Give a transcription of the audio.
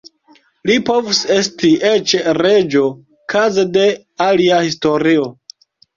Li povus esti eĉ reĝo kaze de alia historio.